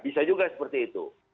bisa juga seperti itu